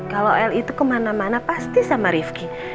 kalau el itu kemana mana pasti sama rifki